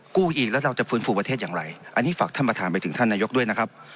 กู้อีกแล้วเราจะฟื้นฟูประเทศอย่างไรอันนี้ฝากท่านประธานไปถึงท่านนายกด้วยนะครับ